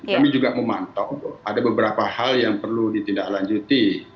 kami juga memantau ada beberapa hal yang perlu ditindaklanjuti